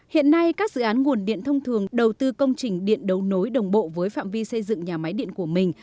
hiện nay các dự án nguồn điện thông thường đầu tư công trình điện đấu nối đồng bộ với phạm vi xây dựng nhà máy điện của mình